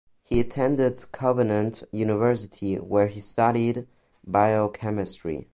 He attended Covenant University where he studied biochemistry.